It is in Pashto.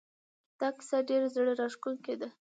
دا کیسه ډېره زړه راښکونکې ده